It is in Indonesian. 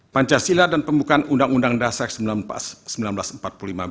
pancasila dan pembukaan undang undang dasar seribu sembilan ratus empat puluh lima